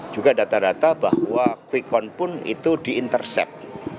juga data data bahwa quick count pun itu di intercept